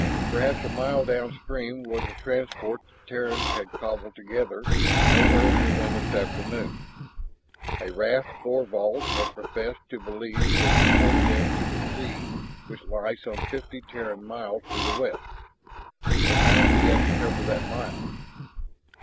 Perhaps a mile downstream was the transport the Terrans had cobbled together no earlier than this afternoon, a raft Thorvald had professed to believe would support them to the sea which lay some fifty Terran miles to the west. But now he had to cover that mile.